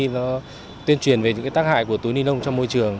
nó tuyên truyền về những tác hại của túi ni lông trong môi trường